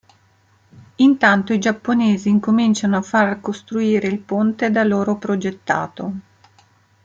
Intanto i giapponesi incominciano a far costruire il ponte da loro progettato.